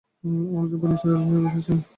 অনেকদিন পর নিসার আলি সাহেব এসেছেন।